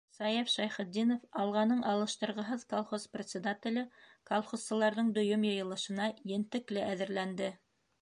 Саяф Шәйхетдинов, «Алға»ның алыштырғыһыҙ колхоз председателе, колхозсыларҙың дөйөм йыйылышына ентекле әҙерләнде.